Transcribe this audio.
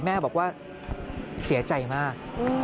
แม่บอกว่าเสียใจมาก